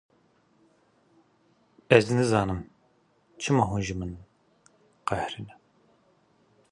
Ez nizanim çima hûn ji min qehrîne